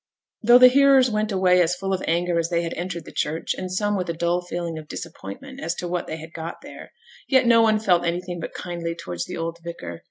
Though the hearers went away as full of anger as they had entered the church, and some with a dull feeling of disappointment as to what they had got there, yet no one felt anything but kindly towards the old vicar.